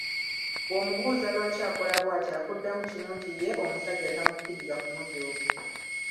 Bw'omubuuza lwaki akola bw'atyo akuddamu kimu nti ye omusajja tamukkiriza kumujooga.